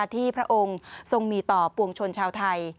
ที่พระองค์ทรงมีต่อประวัติชนชาวไทย